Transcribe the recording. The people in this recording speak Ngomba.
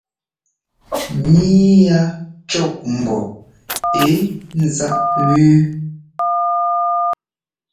Níi ya cɔ́k ḿbɔ́ ɛ́ záꞌ wú.